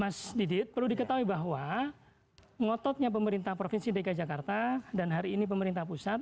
mas didit perlu diketahui bahwa ngototnya pemerintah provinsi dki jakarta dan hari ini pemerintah pusat